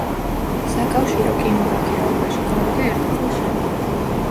საკავშირო კინოგაქირავებაში გავიდა ერთი წლის შემდეგ.